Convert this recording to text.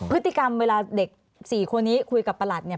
พฤติกรรมเวลาเด็ก๔คนนี้คุยกับประหลัดเนี่ย